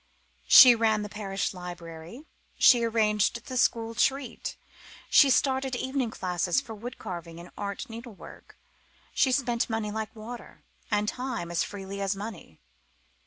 She ran the parish library, she arranged the school treat, she started evening classes for wood carving and art needlework. She spent money like water, and time as freely as money.